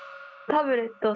タブレットね！